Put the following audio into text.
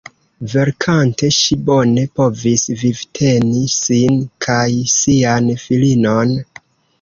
Verkante ŝi bone povis vivteni sin kaj sian filinon.